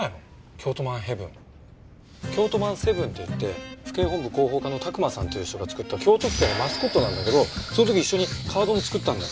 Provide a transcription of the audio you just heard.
キョートマン７って言って府警本部広報課のタクマさんっていう人が作った京都府警のマスコットなんだけどその時一緒にカードも作ったんだよ。